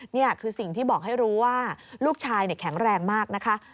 นี่คือสิ่งที่บอกให้รู้ว่าลูกชายแข็งแรงมากนะคะ